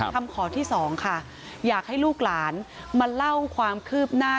คำขอที่๒ค่ะอยากให้ลูกหลานมาเล่าความคืบหน้า